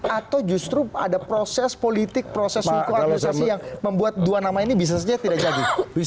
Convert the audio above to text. atau justru ada proses politik proses hukum administrasi yang membuat dua nama ini bisa saja tidak jadi